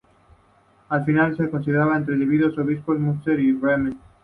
Al final, su condado se dividió entre los obispos de Münster y Bremen.